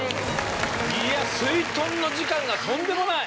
いやすいとんの時間がとんでもない！